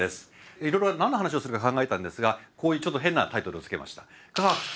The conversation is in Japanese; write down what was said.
いろいろ何の話をするか考えたんですがこういうちょっと変なタイトルを付けました。